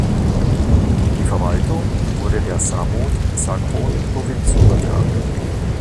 Die Verwaltung wurde der Samut Sakhon Provinz übertragen.